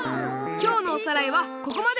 きょうのおさらいはここまで。